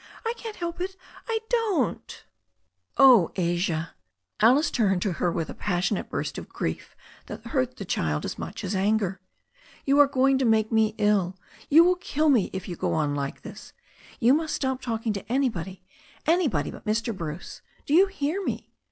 I can't help it — ^I don't " "Oh, Asia !" Alice turned to her with a passionate burst of grief that hurt the child as much as anger. "You are going to make me ill. You will kill me if you go on like this. You must stop talking to anybody — ^anybody but Mr. Bruce. Do you hear me